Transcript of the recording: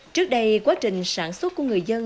trước đây quá trình sản xuất của người dân